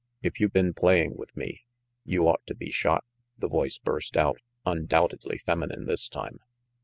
"If you been playing with me, you ought to be shot," the voice burst out, undoubtedly feminine this time.